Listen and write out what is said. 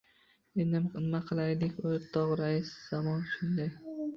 — Endi, nima qilaylik, o‘rtoq rais? Zamon shunday!